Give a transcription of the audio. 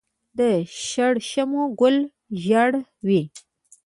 د شړشمو ګل ژیړ وي.